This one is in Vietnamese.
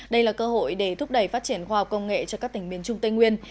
đây là cơ hội để thúc đẩy phát triển khoa học công nghệ cho các tỉnh miền trung tây nguyên